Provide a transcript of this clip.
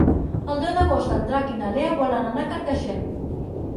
El deu d'agost en Drac i na Lea volen anar a Carcaixent.